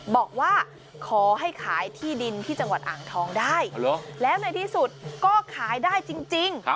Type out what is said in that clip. บอกว่าขอให้ขายที่ดินที่จังหวัดอ่างทองได้แล้วในที่สุดก็ขายได้จริง